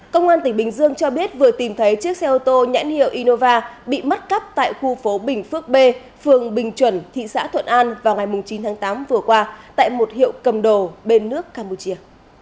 công an tỉnh bình dương cho biết vừa tìm thấy chiếc xe ô tô nhãn hiệu inova bị mất cắp tại khu phố bình phước b phường bình chuẩn thị xã thuận an vào ngày chín tháng tám vừa qua tại một hiệu cầm đồ bên nước campuchia